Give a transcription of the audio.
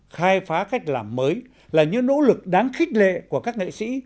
khai phá cách làm mới là những nỗ lực đáng khích lệ của các nghệ sĩ